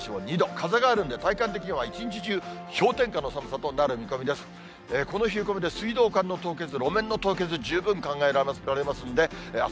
風があるんで、体感的には一日中、氷点下の寒さとなる見込みです。